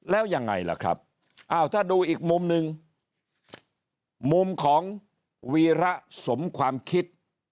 แล้วยังไงล่ะครับอ้าวถ้าดูอีกมุมหนึ่งมุมของวีระสมความคิด